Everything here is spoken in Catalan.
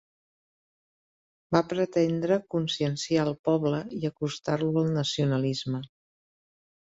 Va pretendre conscienciar el poble i acostar-lo al nacionalisme.